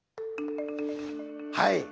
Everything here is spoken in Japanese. はい。